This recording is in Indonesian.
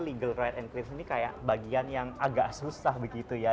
legal right and creef ini kayak bagian yang agak susah begitu ya